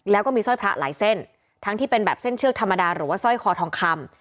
แล้วก็มีสร้อยพระหลายเส้นทั้งที่เป็นแบบเส้นเชือกธรรมดาหรือว่าสร้อยคอทองคำ